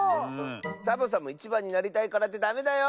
サボさんもいちばんになりたいからってダメだよ！